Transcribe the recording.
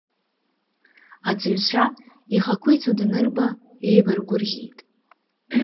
Аҵаҩцәа, Иҳақәиҭу данырба, иеибаргәырӷьеит.